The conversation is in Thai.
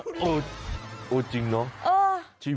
เออจริงเนาะ